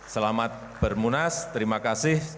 selamat bermunas terima kasih